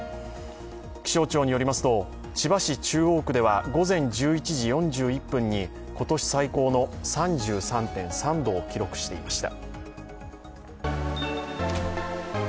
気象庁によりますと、千葉市中央区では、午前１１時４１分に、今年最高の３３．３度を記録していました。